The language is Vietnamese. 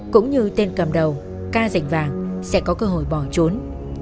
cũng như tên cầm đầu ca dành vàng sẽ có cơ hội bỏ trốn